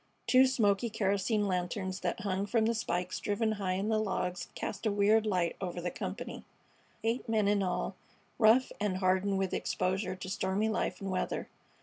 Two smoky kerosene lanterns that hung from spikes driven high in the logs cast a weird light over the company, eight men in all, rough and hardened with exposure to stormy life and weather.